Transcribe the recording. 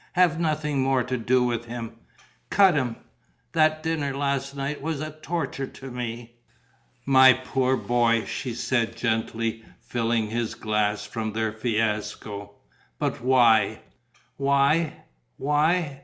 Have nothing more to do with him. Cut him.... That dinner, last night, was a torture to me...." "My poor boy," she said, gently, filling his glass from their fiasco, "but why?" "Why? Why?